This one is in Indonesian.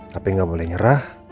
tapi nggak boleh nyerah